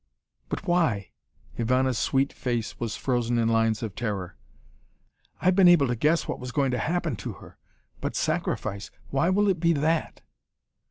"But why?" Ivana's sweet face was frozen in lines of horror. "I've been able to guess what was going to happen to her. But sacrifice. Why will it be that?"